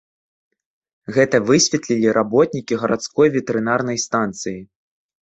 Гэта высветлілі работнікі гарадской ветэрынарнай станцыі.